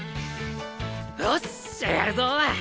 おっしゃやるぞ。